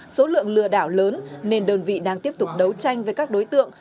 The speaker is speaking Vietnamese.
số lượng lừa đảo lớn nên đơn vị đang tiếp tục đấu tranh với các đối tượng